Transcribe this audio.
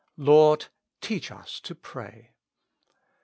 " Lord, teach us to pray."